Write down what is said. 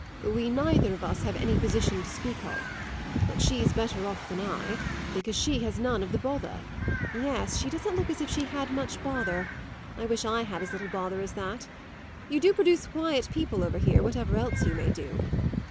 "We neither of us have any position to speak of; but she's better off than I, because she has none of the bother." "Yes, she doesn't look as if she had much bother. I wish I had as little bother as that. You do produce quiet people over here, whatever else you may do."